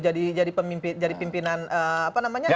jadi pimpinan apa namanya